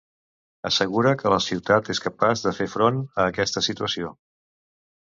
Assegura que la ciutat és capaç de fer front a aquesta situació.